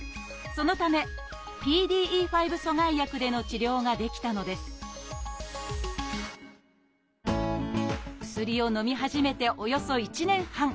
そのためＰＤＥ５阻害薬での治療ができたのです薬をのみ始めておよそ１年半。